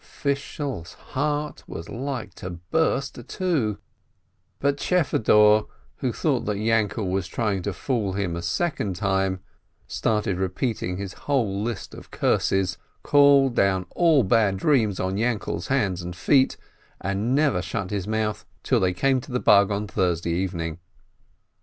Fishel's heart was like to burst, too, but Chfedor, who thought that Yainkel was trying to fool him a second time, started repeating his whole list of curses, called down all bad dreams on Yainkel's hands and feet, and never shut his mouth till they came to the Bug on Thursday evening.